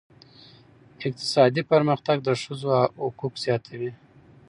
اقتصادي پرمختګ د ښځو حقوق زیاتوي.